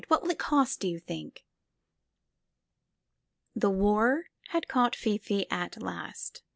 "What will it cost, do you think?" The war had caught Fifi at last.